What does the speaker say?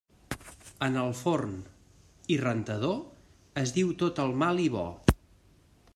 En el forn i rentador, es diu tot el mal i bo.